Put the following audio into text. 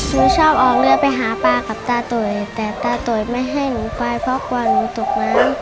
หนูชอบออกเรือไปหาปลากับตาตุ๋ยแต่ตาตุ๋ยไม่ให้หนูไปเพราะกลัวหนูตกน้ำ